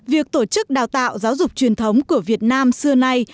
việc tổ chức đào tạo giáo dục truyền thống của việt nam xưa nay